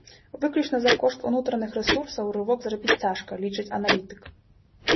Выключна за кошт унутраных рэсурсаў рывок зрабіць цяжка, лічыць аналітык.